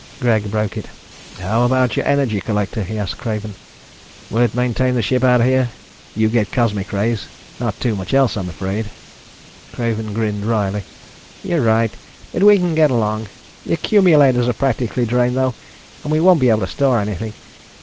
Greg broke it. "How about your energy collector?" he asked Craven. "Will it maintain the ship out here? You get cosmic rays. Not too much else, I'm afraid." Craven grinned wryly. "You're right, but we can get along. The accumulators are practically drained, though, and we won't be able to store anything.